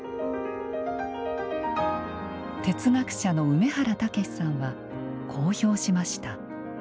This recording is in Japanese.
哲学者の梅原猛さんはこう評しました。